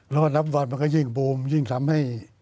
แล้วก็นับวันมันก็ยิ่งบูมยิ่งทำให้